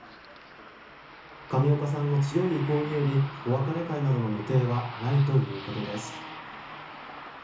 上岡さんの強い意向によりお別れ会などの予定はないということです。